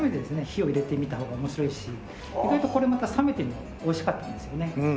火を入れてみた方が面白いし意外とこれまた冷めてもおいしかったんですよね。